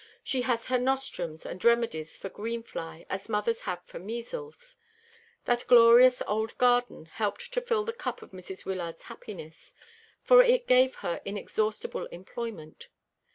She has her nostrums and remedies for green fly, as mothers have for measles. That glorious old garden helped to fill the cup of Mrs. Wyllard's happiness, for it gave her inexhaustible employment.